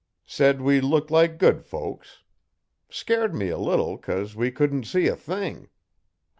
Said we looked like good folks. Scairt me a little cos we couldn't see a thing.